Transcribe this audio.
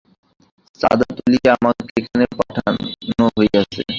চাঁদা তুলিয়া আমাকে এখানে পাঠান হইয়াছে।